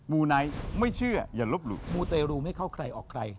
มูตรเรารู้ไม่เข้าใครออกใคร